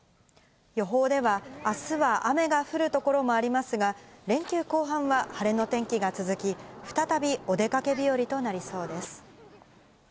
予報では、あすは雨が降る所もありますが、連休後半は晴れの天気が続き、再びお出かけ日和となりそうです。